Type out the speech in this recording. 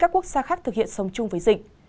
các quốc gia khác thực hiện sống chung với dịch